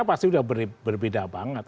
pasti udah berbeda banget